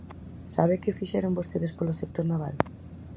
¿Sabe que fixeron vostedes polo sector naval?